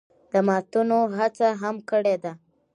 د ماتونو هڅه هم کړې ده